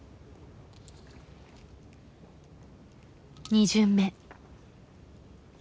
２巡目。